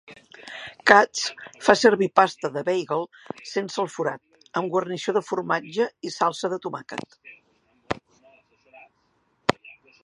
Katz fa servir pasta de bagel sense el forat, amb guarnició de formatge i salsa de tomàquet.